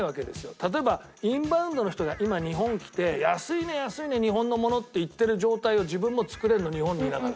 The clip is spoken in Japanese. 例えばインバウンドの人が今日本来て安いね安いね日本のものって言ってる状態を自分も作れるの日本にいながら。